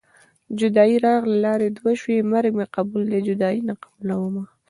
جدايي راغله لارې دوه شوې مرګ مې قبول دی جدايي نه قبلومه